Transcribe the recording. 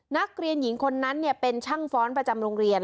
นักเรียนหญิงคนนั้นเป็นช่างฟ้อนประจำโรงเรียน